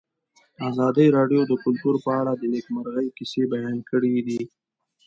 ازادي راډیو د کلتور په اړه د نېکمرغۍ کیسې بیان کړې.